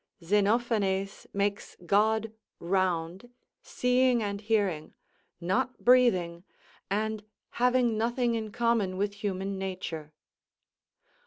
Zenophanes makes God round, seeing and hearing, not breathing, and having nothing in common with human nature.